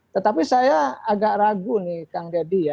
tetapi saya agak ragu nih kang deddy ya